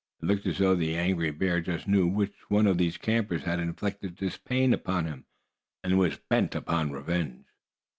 It looked as though the angry bear just knew which of these campers had inflicted this pain upon him, and was bent upon revenge.